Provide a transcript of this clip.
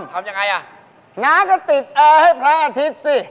ทำยังไงอ่ะน้ำก็ติดเออให้พระอาทิตย์สิ